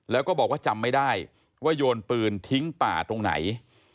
แล้วก็บอกว่าจำไม่ได้ว่าโยนปืนทิ้งป่าตรงไหน